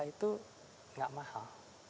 itu tidak mahal